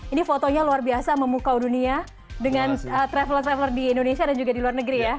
ini fotonya luar biasa memukau dunia dengan travele travel di indonesia dan juga di luar negeri ya